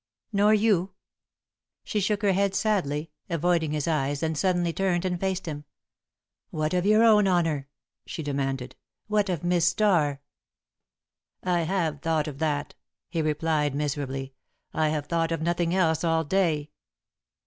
"Nor you?" She shook her head sadly, avoiding his eyes, then suddenly turned and faced him. "What of your own honour?" she demanded. "What of Miss Starr?" "I have thought of that," he replied, miserably. "I have thought of nothing else all day."